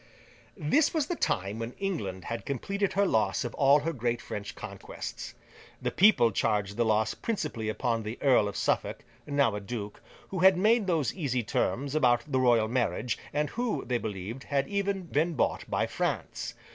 This was the time when England had completed her loss of all her great French conquests. The people charged the loss principally upon the Earl of Suffolk, now a duke, who had made those easy terms about the Royal Marriage, and who, they believed, had even been bought by France.